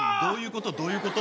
どういうこと？